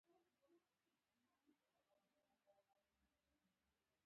د جرم سیمه غرنۍ ده